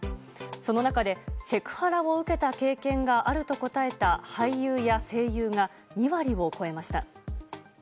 その中でセクハラを受けた経験があると答えた俳優や声優が２割を超えました。